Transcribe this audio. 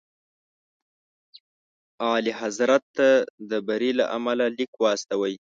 اعلیحضرت ته د بري له امله لیک واستوئ.